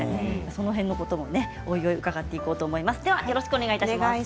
その辺りもおいおい伺っていこうと思います。